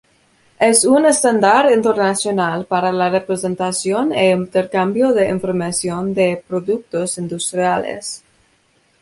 Es un estándar internacional para la representación e intercambio de información de productos industriales.